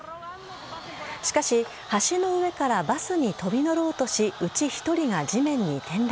しかし橋の上からバスに飛び乗ろうとしうち１人が地面に転落。